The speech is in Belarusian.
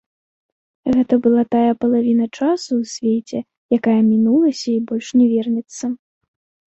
Гэта была тая палавіна часу ў свеце, якая мінулася і больш не вернецца.